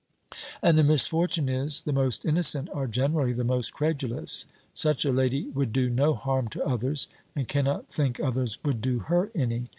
"And the misfortune is, the most innocent are generally the most credulous. Such a lady would do no harm to others, and cannot think others would do her any.